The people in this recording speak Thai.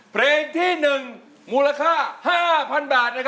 เผ็งที่หนึ่งมูลค่า๕๐๐๐บาท